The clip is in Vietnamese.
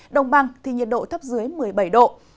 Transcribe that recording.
đồng bằng thì nhiệt độ thấp dưới một mươi bảy độ